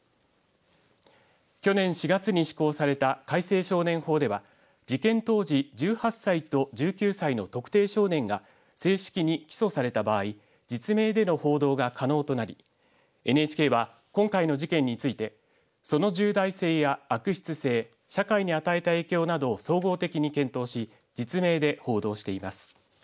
去年４月に施行された改正少年法では事件当時１８歳と１９歳の特定少年が正式に起訴された場合実名での報道が可能となりＮＨＫは今回の事件についてその重大性や悪質性社会に与えた影響などを総合的に検討し実名で報道しています。